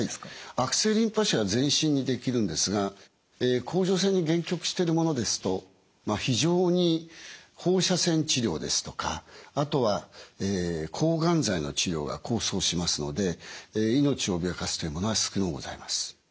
悪性リンパ腫は全身にできるんですが甲状腺に限局しているものですと非常に放射線治療ですとかあとは抗がん剤の治療が功を奏しますので命を脅かすというものは少のうございます。